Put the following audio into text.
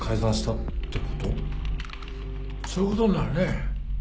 そういうことになるね。